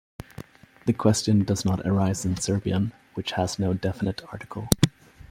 The question does not arise in Serbian, which has no definite article.